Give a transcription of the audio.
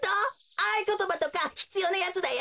あいことばとかひつようなやつだよ。